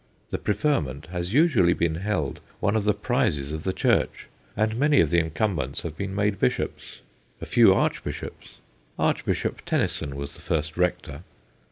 The prefer ment has usually been held one of the prizes of the Church, and many of the incumbents have been made bishops a few archbishops. Archbishop Tenison was the first Rector.